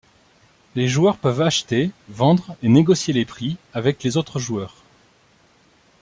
Les joueurs peuvent acheter, vendre et négocier les prix avec les autres joueurs.